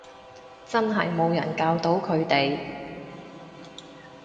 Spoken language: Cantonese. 真係冇人教到佢哋